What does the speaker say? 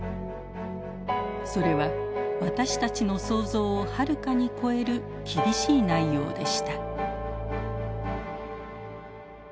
それは私たちの想像をはるかに超える厳しい内容でした。